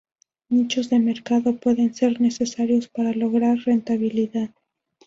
Nichos de mercado pueden ser necesarios para lograr rentabilidad.